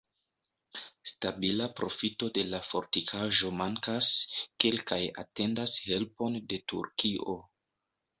Stabila profito de la fortikaĵo mankas, kelkaj atendas helpon de Turkio.